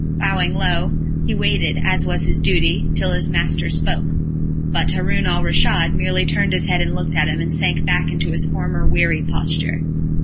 Bowing low, he waited, as was his duty, till his master spoke, but Haroun al Raschid merely turned his head and looked at him, and sank back into his former weary posture.